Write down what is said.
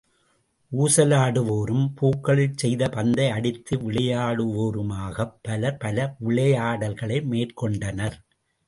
ஊசலாடுவோரும் பூக்களிற் செய்த பந்தை அடித்து விளையாடுவோருமாகப் பலர் பல விளையாடல்களை மேற்கொண்டனர்.